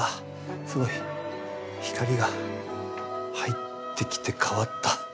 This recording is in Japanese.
すごい光が入ってきて変わった。